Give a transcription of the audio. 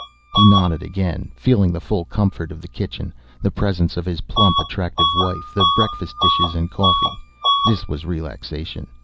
He nodded again, feeling the full comfort of the kitchen, the presence of his plump, attractive wife, the breakfast dishes and coffee. This was relaxation.